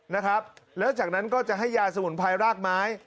นะครับแล้วจากนั้นก็จะให้ยาสมุนไพรรากไม้